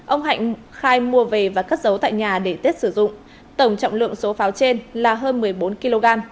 ông hạnh khai mua về và cất giấu tại nhà để tết sử dụng tổng trọng lượng số pháo trên là hơn một mươi bốn kg